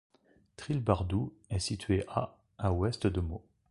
Trilbardou est situé à à ouest de Meaux.